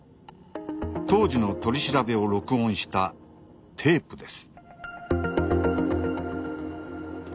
当時の取り調べを録音したテープです。